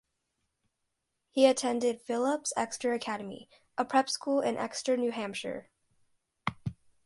He attended Phillips Exeter Academy, a prep school in Exeter, New Hampshire.